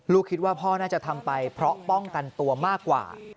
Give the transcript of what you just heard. คิดว่าพ่อน่าจะทำไปเพราะป้องกันตัวมากกว่า